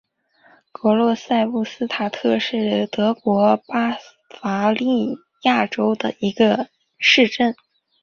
格罗赛布斯塔特是德国巴伐利亚州的一个市镇。